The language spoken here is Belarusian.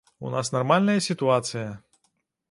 У нас нармальная сітуацыя.